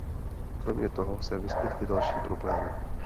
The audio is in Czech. Kromě toho se vyskytly další problémy.